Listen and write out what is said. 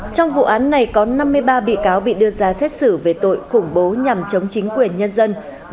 trong vụ án này có năm mươi ba bị cáo bị đưa ra xét xử về tội khủng bố nhằm chống chính quyền nhân dân